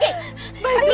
kami akan pergi dari sini